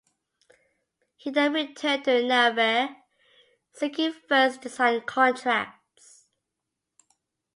He then returned to Navarre seeking first design contracts.